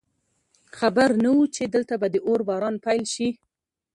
خبر نه وو چې دلته به د اور باران پیل شي